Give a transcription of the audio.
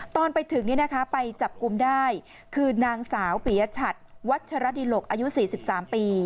ตอนไปถึงไปจับกลุ่มได้คือนางสาวปียชัดวัชรดิหลกอายุ๔๓ปี